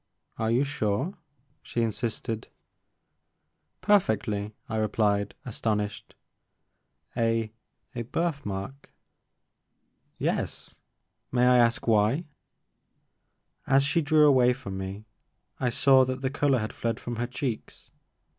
Are you sure ?'' she insisted. ''Perfectly," I replied, astonished. " A— a birthmark ?" 26 The Maker of Moons. Yes, — may I ask why ?'* As she drew away from me, I saw that the color had fled from her cheeks.